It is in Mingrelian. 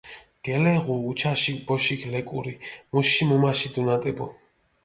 გელეღუ უჩაში ბოშიქ ლეკური მუში მუმაში დუნატებუ.